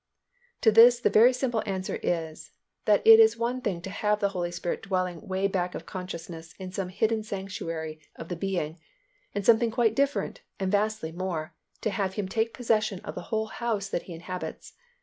To this the very simple answer is, that it is one thing to have the Holy Spirit dwelling way back of consciousness in some hidden sanctuary of the being and something quite different, and vastly more, to have Him take possession of the whole house that He inhabits.